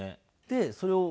でそれを。